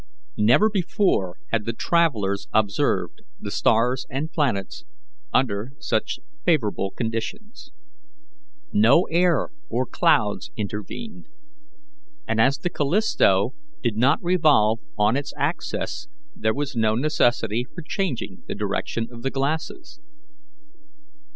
Never before had the travellers observed the stars and planets under such favourable conditions. No air or clouds intervened, and as the Callisto did not revolve on its axis there was no necessity for changing the direction of the glasses.